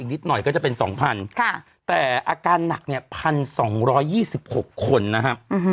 นิดหน่อยก็จะเป็น๒๐๐แต่อาการหนักเนี่ย๑๒๒๖คนนะครับ